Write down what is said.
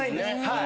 はい。